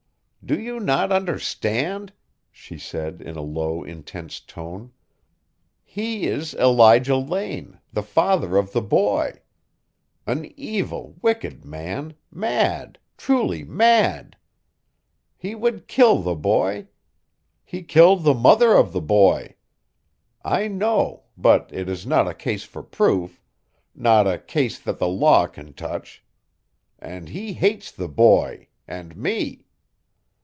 "Do you not understand?" she said in a low, intense tone. "He is Elijah Lane, the father of the boy. An evil, wicked man mad truly mad. He would kill the boy. He killed the mother of the boy. I know, but it is not a case for proof not a case that the law can touch. And he hates the boy and me!"